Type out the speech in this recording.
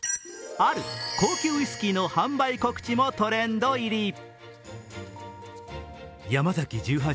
ある高級ウイスキーの販売告知もトレンド入り。